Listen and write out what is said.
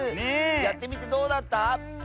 やってみてどうだった？